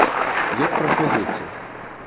Є пропозиція.